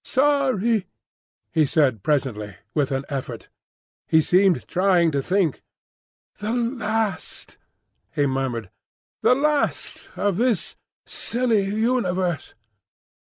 "Sorry," he said presently, with an effort. He seemed trying to think. "The last," he murmured, "the last of this silly universe.